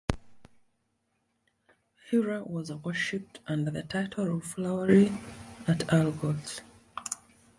Hera was worshiped under the title of Flowery at Argos.